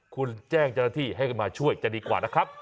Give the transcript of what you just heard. คุณแจ้งเจ้าหน้าที่ให้มาช่วยจะดีกว่านะครับ